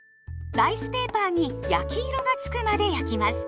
ライスペーパーに焼き色がつくまで焼きます。